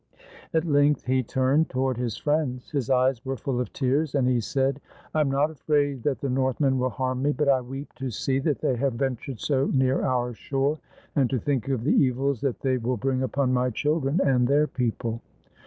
At length he turned toward his friends. His eyes were full of tears, and he said, "I am not afraid that the Northmen will harm me, but I weep to see that they have ventured so near our shore, and to think of the evils that they will bring upon my children and their people."